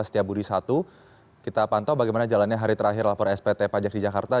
setia budi satu kita pantau bagaimana jalannya hari terakhir laporan spt pajak di jakarta